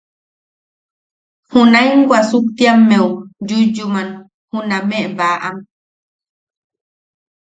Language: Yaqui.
Junaen wasuktiammeu yuyyuman juname baʼam.